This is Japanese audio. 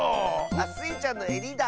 あっスイちゃんのえりだ。